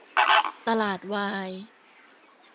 ตลาดวาย